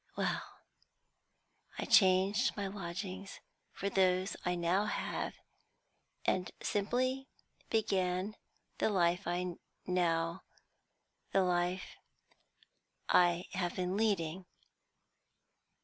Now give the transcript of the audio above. Well, I changed my lodgings for those I now have, and simply began the life I now the life I have been leading.